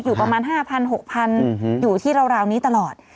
อยู่ประมาณ๕๐๐๖๐๐อยู่ที่ราวนี้ตลอด